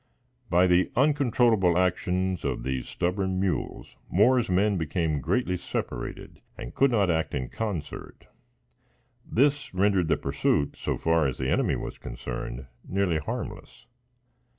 By the uncontrollable actions of the stubborn mules, Moore's men became greatly separated and could not act in concert. This rendered the pursuit, so far as the enemy was concerned, nearly harmless.